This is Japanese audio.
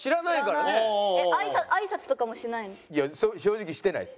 あいさつとかもしないの？